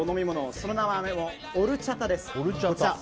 その名もオルチャタです。